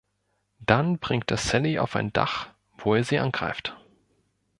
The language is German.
Dann bringt er Sally auf ein Dach, wo er sie angreift.